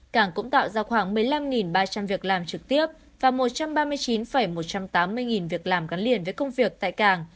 cảng cũng tạo ra khoảng một mươi năm ba trăm linh việc làm trực tiếp và một trăm ba mươi chín một trăm tám mươi nghìn việc làm gắn liền với công việc tại cảng